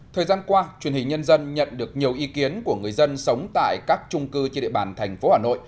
thời gian qua truyền hình nhân dân nhận được nhiều ý kiến của người dân sống tại các trung cư trên địa bàn thành phố hà nội